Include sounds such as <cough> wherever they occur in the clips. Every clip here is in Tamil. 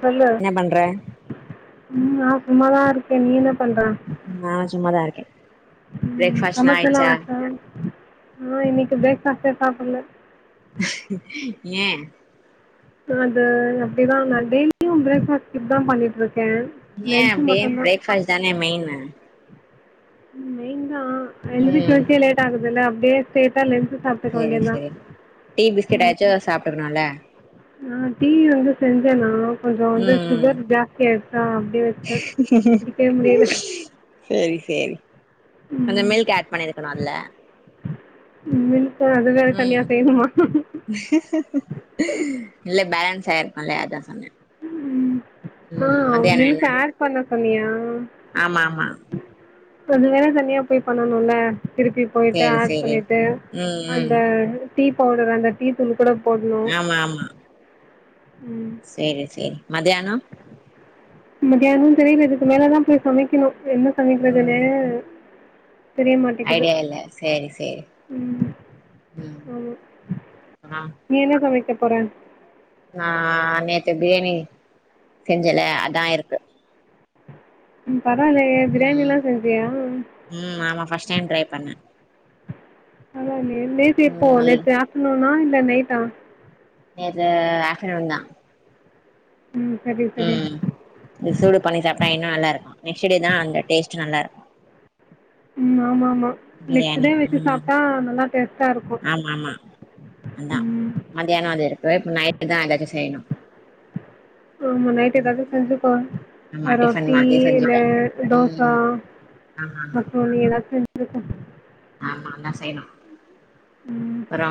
சொல்லு என்ன பண்ற ம் நா சும்மாதா இருக்கே நீ என்னப் பண்ற நானு சும்மாதா இருக்கே உ பிரேக்ஃபாஸ்ட்லா சமச்சு எல்லாம் ஆயிடுச்சா ஆச்சா ஆ இன்னிக்கு பிரேக்ஃபாஸ்ட்டே சாப்புட்ல ஏ அ அது அப்டிதா நா டெய்லியு பிரேக்ஃபாஸ்ட் இதா பண்ணிட்டுருக்கே ஏ அப்டி பிரேக்ஃபாஸ்ட்டு தானே மெயினு மெயின் தா நா ம் எந்திக்கர்ந்துக்கே லேட் ஆகுதுல அப்டியே சேத்தா லென்த் செரி செரி டீ பிஸ்கட் ஆச்சோ சாப்புட்றுணோல ஆ டீ வந்து செஞ்சே நா கொஞ்சோ வந்து ம் ம் சுகர் ஜாஸ்தியா ஆயிருச்சு ஆ அப்டியே வெச்டே குடிக்கவே முடியுல சரி செரி கொஞ்சோ மில்க் ஆட் பண்ணிருக்ணோ அதுல மில்க் ம் இல்ல பேலன்ஸ் தயாரிப்போல அதா சொன்னே ம் ஆ ம் மத்தியானோ என்ன மில்க்கு ஆட் பண்ண சொன்னியா ஆமா ஆமா அது வேற தனியா போய் பண்ணணோல திருப்பி போயிட்டு சேரி ஆட் சேரி பண்ணிட்டு ம் ம் அந்த டீ பவுடர் அந்த டீ தூள் கூட போட்ணோ செரி செரி மதியானோ மதியானோ தெரில இதுக்கு மேலதா போய் சமைக்கணோ என்ன சமைக்குறதுன்னே ம் ஐடியா இல்ல சேரி சேரி ம் ம் ஆமா ஆ நீ என்ன சமைக்க போற நா நேத்து பிரியாணி செஞ்சேல அதா இருக்கு பரவால்லையே ம் பிரியாணில்லா செஞ்சியா ம் ஆமா ஃபர்ஸ்ட் டைம் ட்ரை பண்ணே அத நேத்து இப்போ ம் நல் நேத்து ஆப்டர்நூனா இல்ல நைட்டா நேத்து ஆப்டர்நூன் தா ம் சரி சரி ம் இது சூடு பண்ணி சாப்பிட்டா இன்னு நல்லா இருக்கு நெக்ஸ்ட் டே தா அந்த டேஸ்ட் நல்லா இருக்கு ம் ஆமா ஆமா நெக்ஸ்ட் பிரியாணி டே வச்சு ம் சாப்ட்டா நல்லா டேஸ்ட்டா இருக்கு ஆமா ஆமா அதா மத்தியான வந்து இருக்கு நைட்டுதா எதாச்சு செய்யணு ஆமா நைட்டு எதாச்சு ஆமா செஞ்சுக்குவ டிஃபன் ரொட்டி மாதிரி இல்ல செஞ்சுப்பே தோசா ம் ஆமா ஆமா அப்றோ ஏதாச்சு ருக்கும் ஆமா அதெல்லா செய்யணு அப்புறோ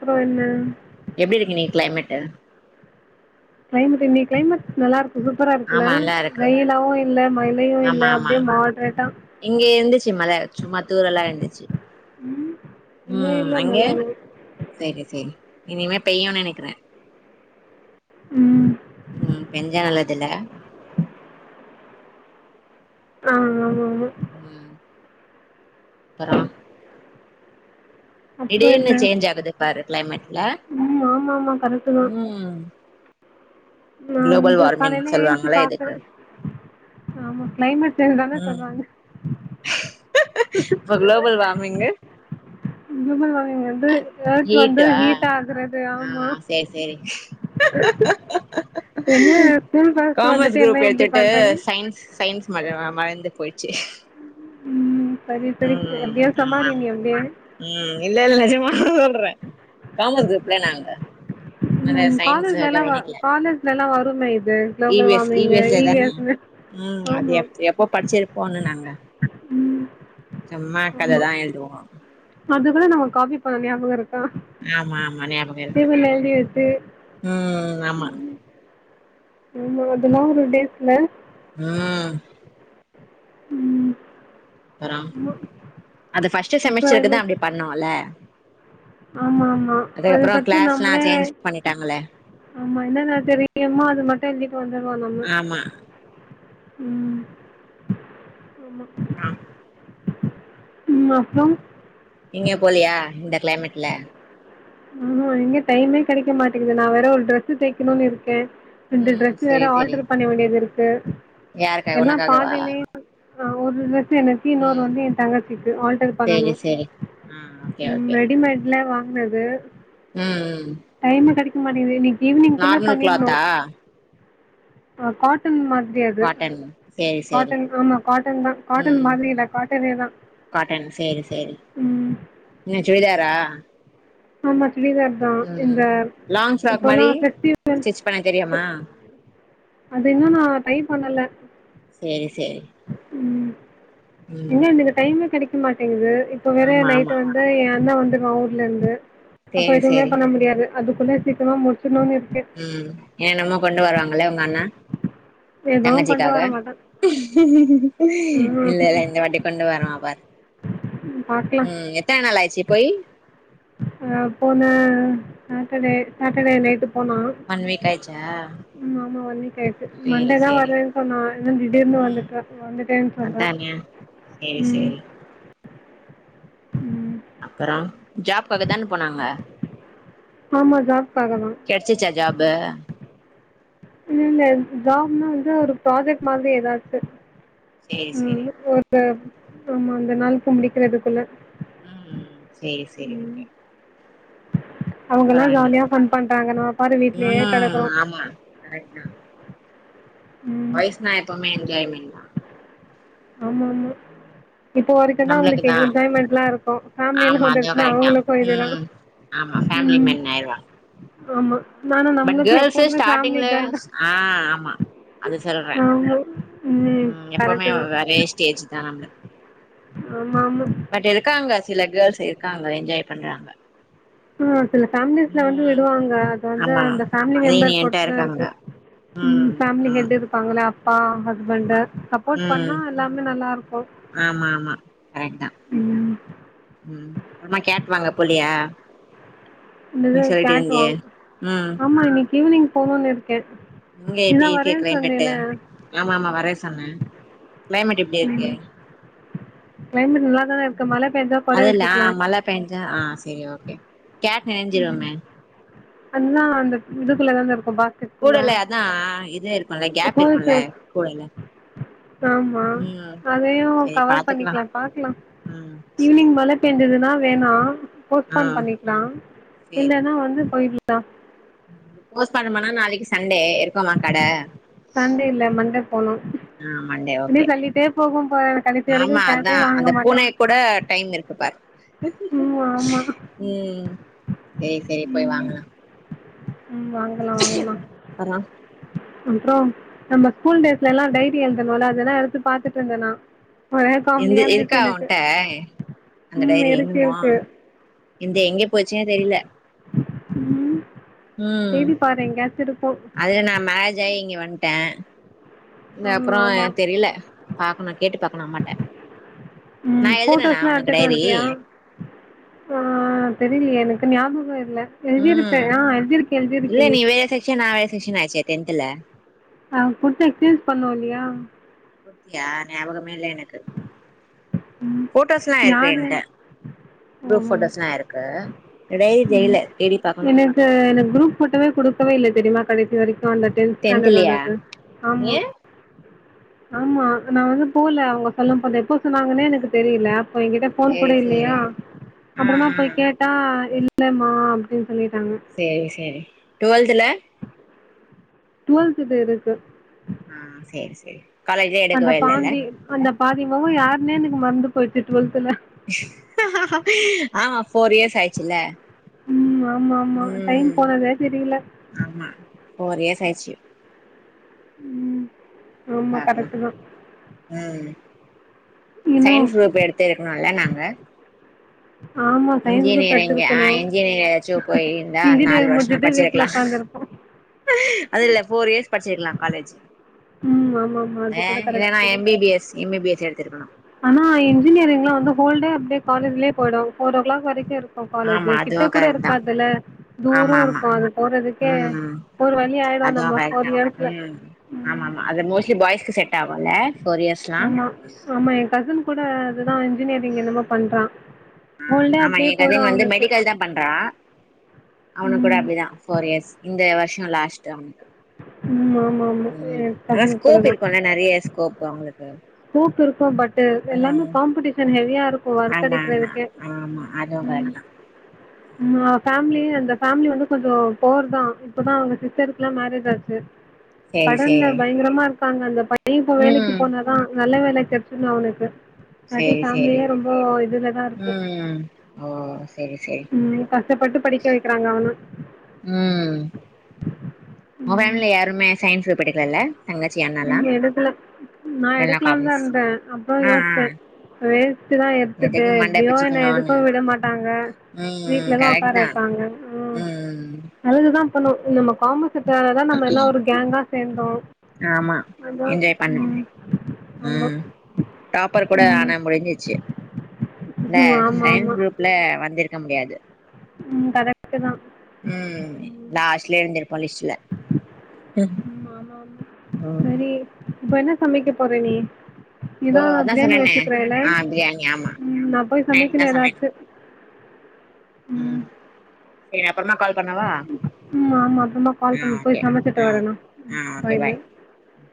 அப்றோ என்ன எப்டி இருக்கு இன்னைக்கு கிளைமேட்டு கிளைமேட் இன்னைக்கு கிளைமேட் நல்லாருக் சூப்பரா இருக்குல ஆமா நல்லா இருக்கு வெயிலாவு இல்ல மழையு இல்ல ஆமா ஆமா அப்டியே மாட்ரேட்டா இங்க இருந்துச்சு மழை சும்மா தூரலா இருந்துச்சு உம் <inaudible> ம் அங்க சேரி சேரி இனிமே பெய்யுன்னு நெனைக்கிறே ம் இதுல ஆ ஆமா ஆமா ம் அப்புறோ அப்புறோ திடீர்னு என்ன சேஞ்ச் ஆகுது பாரு கிளைமேட்ல ம் ஆமா ஆமா கரெக்ட் தா ம் நா குளோபல் வந்து வார்மிங் காலையில எஞ்சு சொல்லுவாங்கள பாக்குறே இதுக்கு ஆமா கிளைமேட் சேஞ்ச் தானே சொல்றாங்க சொல்லவு போய் வாங்குறீங்க குளோபல் வார்மிங் வந்து எர்த் வந்து ஹீட்டா ஹீட் ஆகுறது ஆ ஆமா சேரி சேரி என்ன ஸ்கூல் பஸ் வந்துட்டு காமர்ஸ் என்ன இப்டி பண்றாங்க மறவ மறந்து போச்சி ம் சரி ம் சரி எப்டியோ ஆமா ஆமா சமாளி நீ எப்டியே ம் இல்ல இல் நிஜமா புறே கிராமத்து புள்ள நாங்க அதனால ம் சயின்ஸ காலேஜ்ல எல்லா வ கவனிக்கல காலேஜ்ல எல்லா வருமே இது இ வி குளோபல் எஸ் வார்மிங்க ல இ வி தான எஸ் ம் அது எ எப்போ படிச்சிப் போனே நாங்க ம் சும்மாக்கதைதா எழுதுவோ அது கூட நம்ம காப்பி பண்ண ஞாபகோ இருக் ஆமா ஆமா ஞாபக இருக்கு எழுதி வச்சு ம் ஆமா ஆமா அதெல்லா ஒரு டேஸ் இல்ல ம் ம் அப்புறம் அது ஃபர்ஸ்ட் அப்றோ செமஸ்டருக்கு தா என்ன அப்டி பண்ணோல்ல ஆமா ஆமா அதுக்கப்றோ அதுக்கடுத்து கிளாஸ்லா நம்மளே சேஞ்ச் பண்ணிட்டாங்கள ஆமா என்னென்ன தெரியுமோ அத மட்டு எழுதிட்டு வந்துருவோ நம்ம ஆமா ம் ஆமா ஆ ம் அப்புறம் எங்கையும் போலையா இந்த கிளைமேட்ல ஆஹா எங்க டைமே கிடைக்க மாட்டேங்கிது நா வேற ஒரு ட்ரெஸ் தைய்க்கணும்னு இருக்கேன் ரெண்டு ம் டிரஸ் வேற ஆல்டர் பண்ண வேண்டியது இருக்கு யாருக்கு எல்லா உனக்காகவா பாதியிலயே ஆ ஒரு ட்ரெஸ் எனக்கு இன்னொன்னு ம் வந்து என் தங்கச்சிக்கு ஆல்டர் செரி பண்ணணும் செரி ஆ ஓகே உம் இல்ல வாங்னது உம் உம் உம் மதியம் மணி இன்னைக்கு ஈவினிங்குள்ள பண்ணிருன்னும் கா காட்டன் மாத முடியாது காட்டன் சேரி சேரி காட்டன் ஆமா காட்டன் தான் காட்டன் ம் மாதிரி இல்ல காட்டனே தான் காட்டன் சேரி சேரி என்ன சுடிதாரா ஆமா சுடிதார் தான் ம் இந்த லாங் ஃப்ராக் மாரி இப்பல்லாம் பெஸிவல் ஸ்டிச் பண்ண தெரியுமா பெஸ் அது இன்னும் நா ட்ரை பண்ணல சேரி சேரி ம் ம் எங்க எனக்கு டைம்மே கிடைக்க மாட்டேங்குது இப்ப வேற ஆமா நைட்டு ஆமா வந்து என் அண்ண வந்துருவான் ஊர்ல இருந்து அப்ப சேரி எதுவுமே சேரி பண்ண முடியாது அதுக்குள்ள சீக்கிரமா முடிச் ம் என்னன்னமோ கொண்டு வருவாங்களே உங்க அண்ண எதுவும் கொண்டு தங்கச்சிக்காக வர மாட்டேன் இல்ல இல்ல ம்ஹூம் இந்த வாட்டி கொண்டு வருவா பாரு உம் எத்தன நாள் ஆயிச்சி போய் ஆ போன சாட்டர்டே சாட்டர்டே நைட்டு போனான் ஒன் வீக் ஆயிச்சா நேத்து சேரி மண்டேதான் சேரி வருவேன் சொன்னான் என்ன திடீர்னு ம் வந்துட்டன் வந்துட்டேன்னு சொல்றான் அதானே சேரி சேரி உம் அப்புறோம் ஜாப்காக தான போனாங்க ஆமா ஜாப் கிடச்சுச்சா ஜாப்பு இல்ல ஜாப்ன்னா வந்து ஒரு ப்ராஜெக்ட் மாதிரி ஏதாச்சு சேரி உம் சேரி இல்ல ஒருத்தர் ஆமா அந்த நாள்க்கு முடிக்கிறதுக்குள்ள உம் சேரி சேரி ஓகே அவுங்க அப்பறோ எல்லாம் என்ன ஜாலியா ஃபன் பண்றாங்க நம்ம பாரு வீட்லேயே கெடக்குறோம் ம் ஆமா கரெக்ட் தா பாய்ஸ்னா எப்பவுமே என்ஜாய்மெண்ட் தான் ஆமா ஆமா இப்ப வரைக்கும் தான் நம்மளுக்கு அவுங்களுக்கு தா என்ஜாய்மெண்ட் எல்லாம் இருக்கும் ஃபேமிலில்லா ஆமா அதுவு வந்துடுச்சுன்னா கரெக்ட் தா அவுங்களுக்கும் இதே தான் ம் ஆமா ஃபேமிலி மென் ஆயிருவாங்க ஆமா ஆனா பட் நம்மளுக்கு கேர்ள்ஸு எப்போதுமே ஃபேமிலி ஸ்டார்டிங்ல கேர்ள் தா ஆ ஆமா அது சொல்றே ஆமா உம் கரெக்ட்டு தான் டேஜ்சு தான் நம்பளுக்கு ஆமா ஆமா சில கேர்ள்ஸ் இருக்காங்க என்ஜாய் பண்றாங்க ஆஹ் சில ஃபேமிலீஸ்ல வந்து ம் விடுவாங்க அது வந்து ஆமா அந்த ஃபேமிலி மெம்பர் லீனியன்ட்டா பொறுத்துதான் இருக்கு இருக்காங்க ம் ஃபேமிலி ஹெட்டு இருப்பாங்கல்ல அப்பா ஆமா ஆமா ஹஸ்பண்ட்டு சப்போர்ட் ம் பண்ணா எல்லாமே நல்லா இருக்கு ஆமா ஆமா கரெக்ட் தான் உம் அப்புறமா கேக் வாங்க போலையா இந்த இது கட் வாங் ம் ஆமா இன்னக்கு ஈவினிங் போணுன்னு இரு இங்க எப்பிடி இருக்கு கிளைமேட்டு ஆமா ஆமா வரேன் சொன்னேன் கிளைமேட் எப்டி இருக்கு கிளைமேட் நல்லாதானே இருக்கு மழை பெஞ்சா கொட அது இல்ல ஆ விரிச்சிகலாம் மழ பேஞ்சா ஆ செரி ஓகே கேட் நெனைஞ்சிருமே அதா அந்த இதுக்குள்ள தானே இருக் கூடையில அதா இது இருக்கும்ல கேப் இருக்கும்ல கூடையில ஆமா அதையு செரி கவர் பாத்துக்கலா பண்ணிக்கலா பாக்கலா ம் செரி ஈவ்னிங் மழை பேஞ்சதுன்னா வேணா ஆ போஸ்ட்பான் பண்ணிக்கலா இல்லன்னா வந்து போயிட்லா போஸ்ட்பான் பண்ணா நாளைக்கு சண்டே இருக்கோமா கட சண்டே இல்ல மண்டே போனும் ஆ மண்டே இப்டியே ஓகே தள்ளிட்டே போகும் போற கடைசி ஆமா வரைக்கும் அதா கேட்டே வாங்க அந்த மாட்டே பூனை கூட டைம் இருக்கு பாரு ம் ஆமா ம் சேரி சேரி போய் வாங்கலாம் ம் வாங்கலா வாங்கலா அப்பறோ அப்புறோம் நம்ம ஸ்கூல் டேஸ்லல்லா டைரி எழுதுணோம்ல அதெல்லா எடுத்து பாத்துட்டு இருந்தே நா ஒரே இந்த காமெடியா இருந்துச்சு இருக்கா எனக்கு உன்ட அந்த ம் டைரி இருக்கு இன்னுமா இருக்கு என்து எங்க போச்சுன்னே தெரியல ம் ம் தேடி பாரு எங்கயாச்சு இருக்கு அது நா மாரேஜ் ஆயி இங்க வந்ட்டே இந்த ம் அப்புறோ ஆமா தெரில பாக்கணு கேட்டு பாக்கணு அம்மாட்ட நா ம் எழுதுனனா ஃபோட்டோஸ்லா ஒனக்கு எடுத்துட்டு டைரி வன்ட்டியா ஆ தெரியலையே எனக்கு ஞாபகோ இல்ல எழுதிருப்பே ம் ஆ எழுதிருக்க எழுதிருக்க இல்ல நீ வேற செக்ஷன் நான் வேற செக்ஷன் ஆச்சே டென்த்ல நா குடுத்து கில்ஸ் பண்ணோ இல்லையா யார் ஞாபகமு இல்ல எனக்கு ஃபோட்டோஸ்லா இருக்கு யாரு என்கிட்ட குரூப் ஓஹோ ஃபோட்டோஸ்லா இருக்கு இடய் ஜெயில்ல தேடி பாக்கணு எனக்கு எனக்கு குரூப் ஃபோட்டோவே குடுக்கவே இல்ல தெரியுமா கடைசி வரைக்கு அந்த டென்த் டென்த்லயா ஸ்டாண்டர்ட்க்குல்லது ஆமா ஏ ஆமா நா வந்து போல அவுங்க செலப் பண்றப்போ எப்ப சொன்னாங்கன்னே எனக்கு தெரியல அப் ப்ப என்கிட்ட ஃபோன் சேரி கூட இல்லையா சேரி ஆ அப்புறமா ஆ போய் கேட்டா இல்லமா அப்டின் சேரி சேரி டூவெல்துல டூவெல்த் து இருக்கு ஆ சேரி சேரி காலேஜே அந்த எடுக்கவே இல்லல்ல பாந்தி அந்த பாதி மொகோ யாருன்னே எனக்கு மறந்து போயிட்டு டூவெல் ஆமா ஃபோர் இயர்ஸ் ஆயிட்சுல ம் ஆமா ஆமா டைம் ம் போனதே தெரில ஆமா ஃபோர் இயர்ஸ்சாயிச்சு ம் ஆமா பாக்கலா கரெக்ட் தா இன்னு சையின்ஸ் குரூப் எடுத்து இருக்கணும்ல நாங்க ஆமா சயின்ஸ் குரூப் இன்ஜினியரிங் ஆ எடுத்திருக்கணு இன்ஜினியரிங் ஏதாச்சும் போயிருந்தா நாலு இன்ஜினியர் வருஷோ முடிச்சுட்டு வீட்ல படிச்சிருக்கலா உக்காந்துருப்போ அது இல்ல ஃபோர் இயர்ஸ் படிச்சியிருக்கலாம் காலேஜி ம் ஆமா ஆமா அது கூட கரெகட்டு தா B B S M B B S எடுத்திருக்கணு ஆனா இன்ஜினியரிங்லா வந்து ஹோல்டே அப்டியே காலேஜ்லயே போயிடு ஃபோர் ஓ கிளாக் வரைக்கு இருக் காலேஜ் ஆமா அதுவு கிட்ட கூட கரெக்ட் தா இருக்காதுல தூரோ ஆமா ஆமா இருக்கு அது போறதுக்கே ம் ஒரு வழி ஆயிடுவோ அதுவு நம்ம கரெக்ட் ஃபோர் தா இயர்ஸ்ல ம் ஆமா ஆமா அது மோஸ்ட்லி பாய்ஸ்க்கு செட் ஆகும்ல ஃபோர் இயர்ஸ்லா ஆமா ஆமா என் கசின் கூட அதுதா இன்ஜினியரிங் ம் என்னமோ பண்றான் ஃபுல்டே ஆமா அப்படியே என் போயிடு கசின் அவனுக்கு அவனுகா கூட ம் அப்டிதா ஃபோர் இயர்ஸ் இந்த வருஷோ லாஸ்ட் அவனுக்கு ம் ஆமா ஆமா ம் என் ஆனா கசின் ஸ்கோப் கூடதா இருக்கும்ல நறைய ஸ்கோப் அவுங்களுக்கு ஸ்கோப் இருக்கு பட் எல்லாமே காம்படிஷன் ஹெவியா க்கும் வர்க் ஆமா ஆமா கடைக்கறதுக்கே ஆமா அதுவு கரெக்ட் தா அம்மா ஃபேமிலி ம் அந்த ஃபேமிலி வந்து கொஞ்சோ போர் தான் இப்போதான் அவஙங்க சிஸ்டருக்கு எல்லா மேரேஜ் ஆச்சு சேரி கடன்ல சேரி பயங்கரமா இரு ப்பாங்க அந்த பையன் இப்ப வேலைக்கு ம் போனாதா நல்ல வேல கிடைச்சுண்ணா அவ்னுக்கு மறுடி சேரி சேரி ஃபேமிலியே ரொம்ப இதுலதா இருக்கு செரி செரி ம் கஷ்டப்பட்டு படிக்க வைக்றாங்க அவன ம் அவன்ல யாருமே சயின்ஸ் படிக்கலல்ல நீங்க எடுக்கல நா எல்லா எடுக்கலான் தான் காமர்ஸ் இருந்தேன் அப்புறொ ஆ ஆ யோச்சேன் வேஸ் ட் தான் எடுத்துட்டு எதுக்கு மண்ட எப்படியோ என்ன எதுக்கோ பிச்சுக்கணுனு விட மாட்டாங்க ம் வீட்லதா கரெக்ட் உட்கார தா வைப்பாங்க உம் ம் அழுதுதான் போனு நம்ம காமஸ்தக தா நம்ம எல்லாம் ஒரு கேங்க சேந்தோம் ஆமா என்ஜாய் பண்ணோ ஆமா ம் டாப்பர் கூட ம் ஆன முடிஞ்சிச்சு இந்த ம் ஆமா சயின்ஸ் குரூப்ல வந்திருக்க முடியாது உம் கரெக்ட் தான் ம் லாஸ்ட்ல எழுந்திருப்போம் லிஸ்ட்ல ம் ஆமா சரி இப்ப என்ன சமைக்க போற நீ இப்போ இதா அதா பிரியாணி சொன்னனே வச்சுக்கிறேலே ஆ பிரியாணி ஆமா ம் நா போய் நைட் தா சமைக்கணு ஏதாச்சு ம் செரி அப் அப்றமா கால் பண்ணவா ம் ஆமா அப்புறமா கால் ஆ பண்ணு ஓகே போய் சமைச்சிட்டு ஆ வரே நா ஆ ஓகே பாய் ம்